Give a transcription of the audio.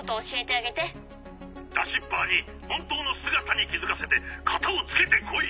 「ダシッパーにほんとうのすがたにきづかせてかたをつけてこい！